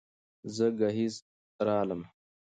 زه ګهيځ رالمه